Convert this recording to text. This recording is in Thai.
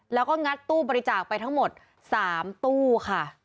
แล้วก็งัดตู้บริจาคไปทั้งหมด๓ตู้ค่ะ